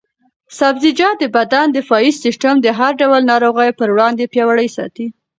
سبزیجات د بدن دفاعي سیسټم د هر ډول ناروغیو پر وړاندې پیاوړی ساتي.